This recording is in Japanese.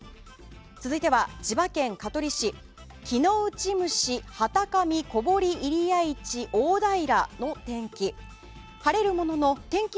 続いては千葉県香取市木内虫幡上小堀入会地大平の天気。